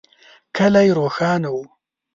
کلی روښانه و.